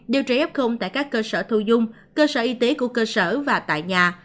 điều trị f tại các cơ sở thu dung cơ sở y tế của cơ sở và tại nhà